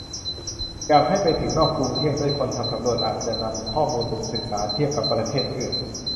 อยากให้ไปถึงนอกกรุงเทพด้วย คนทำสำรวจจะนำข้อมูลไปศึกษาเทียบกับประเทศอื่น